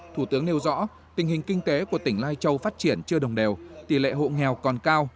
thủ tướng nêu rõ tình hình kinh tế của tỉnh lai châu phát triển chưa đồng đều tỷ lệ hộ nghèo còn cao